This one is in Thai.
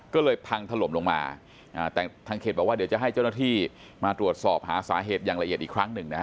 ก็เลยพังถล่มลงมาแต่ทางเขตบอกว่าเดี๋ยวจะให้เจ้าหน้าที่มาตรวจสอบหาสาเหตุอย่างละเอียดอีกครั้งหนึ่งนะฮะ